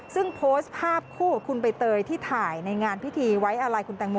ซึ่งโพสต์ภาพคู่กับคุณใบเตยที่ถ่ายในงานพิธีไว้อาลัยคุณแตงโม